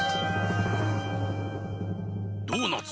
ドーナツ。